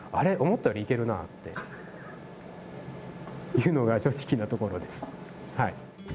思ったよりいけるな」っていうのが正直なところです。